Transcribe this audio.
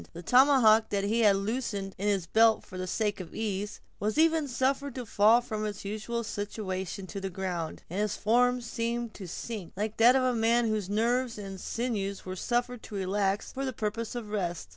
The tomahawk that he had loosened in his belt for the sake of ease, was even suffered to fall from its usual situation to the ground, and his form seemed to sink, like that of a man whose nerves and sinews were suffered to relax for the purpose of rest.